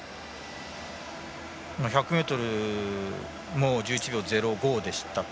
１００ｍも１１秒０５でしたか。